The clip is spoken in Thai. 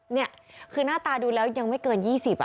นี่คือหน้าตาดูแล้วยังไม่เกิน๒๐อ่ะ